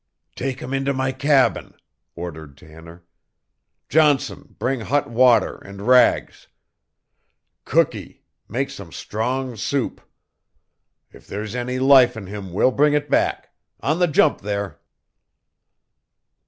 "Take him into my cabin," ordered Tanner. "Johnson, bring hot water and rags. Cookee, make some strong soup. If there's any life in him we'll bring it back. On the jump, there!"